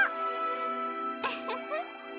ウフフッ！